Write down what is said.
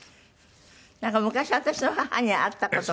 なんか昔私の母に会った事が。